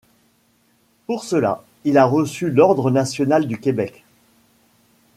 Pour cela, il a reçu l'Ordre national du Québec.